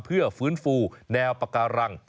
เพื่อฟื้นฟูแนวปาการัง